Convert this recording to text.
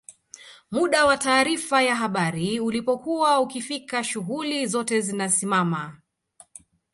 muda wa taarifa ya habari ulipokuwa ukifika shughuli zote zinasimama